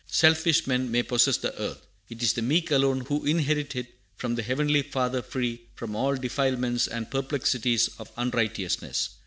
"Selfish men may possess the earth: it is the meek alone who inherit it from the Heavenly Father free from all defilements and perplexities of unrighteousness."